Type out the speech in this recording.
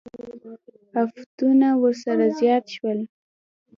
افتونه ورسره زیات شول.